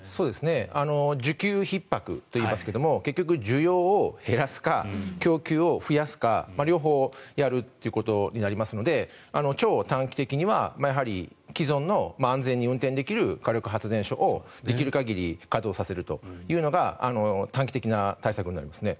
需給ひっ迫といいますが結局、需要を減らすか供給を増やすか、両方やるということになりますので超短期的には既存の安全に運転できる火力発電所をできる限り稼働させるというのが短期的な対策になりますね。